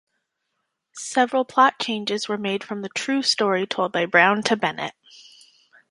Several plot changes were made from the true story told by Browne to Bennett.